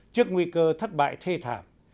trước nguy cơ thất bại thê thảm